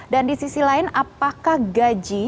dan di sisi lain apakah gaji